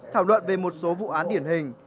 thảo luận về một số vụ án điển hình